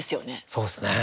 そうですね。